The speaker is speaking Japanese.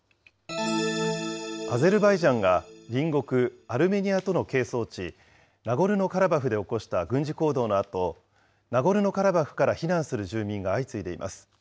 アゼルバイジャンが隣国アルメニアとの係争地、ナゴルノカラバフで起こした軍事行動のあと、ナゴルノカラバフから避難する住民が相次いでいます。